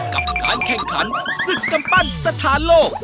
กับการแข่งขันศึกกำปั้นสถานโลก